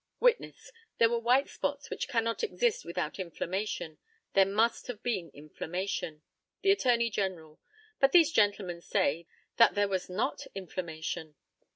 Witness. There were white spots, which cannot exist without inflammation. There must have been inflammation. The ATTORNEY GENERAL. But these gentlemen say that there was not inflammation.